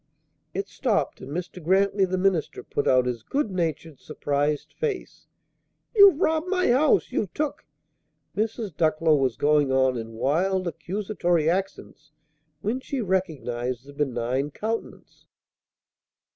It stopped, and Mr. Grantly, the minister, put out his good natured, surprised face. "You've robbed my house! You've took " Mrs. Ducklow was going on in wild, accusatory accents, when she recognized the benign countenance.